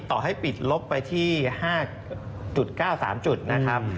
ต่อให้ปิดลบไปที่๕๙๓จุดนะครับ